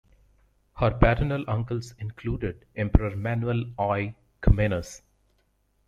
Her paternal uncles included Emperor Manuel I Komnenos.